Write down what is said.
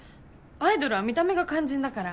アイドルは見た目が肝心だから。